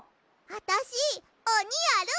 あたしおにやる！